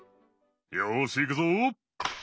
よしいくぞ！